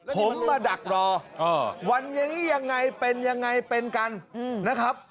ผมมาดักรอวันอย่างนี้ยังไงเป็นยังไงเป็นกันนะครับ